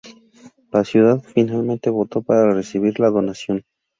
La ciudad finalmente votó para recibir la donación.